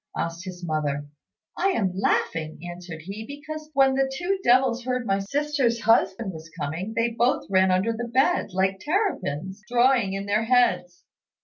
asked his mother. "I am laughing," answered he, "because when the two devils heard my sister's husband was coming, they both ran under the bed, like terrapins, drawing in their heads."